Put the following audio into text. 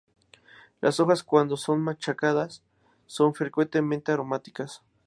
Las hojas cuando son machacadas son fuertemente aromáticas.